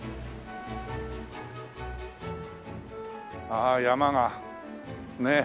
ああ山がねえ。